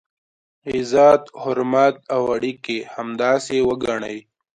عزت، حرمت او اړیکي همداسې وګڼئ.